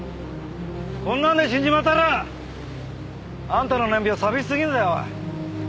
こんなんで死んじまったらあんたの年表寂しすぎるぜおい。